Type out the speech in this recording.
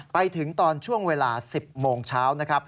ไปถึงตอนช่วงเวลา๑๐โมงเช้านะครับ